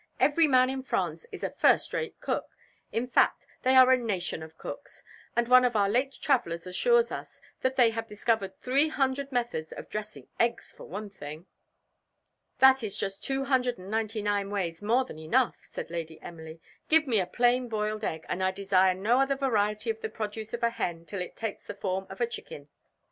Every man in France is a first rate cook in fact, they are a nation of cooks; and one of our late travellers assures us that they have discovered three hundred methods of dressing eggs, for one thing." "That is just two hundred and ninety nine ways more than enough," said Lady Emily "give me a plain boiled egg, and I desire no other variety of the produce of a hen till it takes the form of a chicken."